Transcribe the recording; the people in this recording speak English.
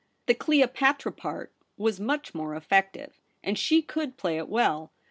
The Cleopatra part was much more effective, and she could play it well.